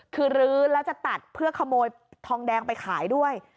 คือรื้อแล้วจะตัดเพื่อขโมยทองแดงไปขายด้วย